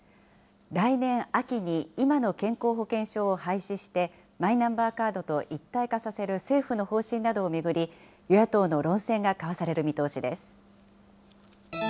来年秋に今の健康保険証を廃止して、マイナンバーカードと一体化させる政府の方針などを巡り、与野党の論戦が交わされる見通しです。